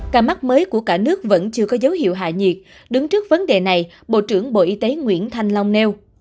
ca mắc mới của cả nước vẫn chưa có dấu hiệu hạ nhiệt đứng trước vấn đề này bộ trưởng bộ y tế nguyễn thanh long nêu